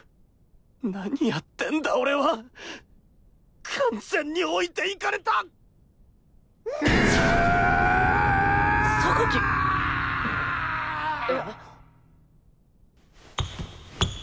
何やってんだ俺は完全に置いていかれたあああああ！！？